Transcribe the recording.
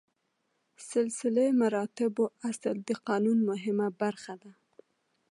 سلسله مراتبو اصل د قانون مهمه برخه ده.